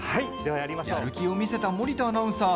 やる気を見せた森田アナウンサー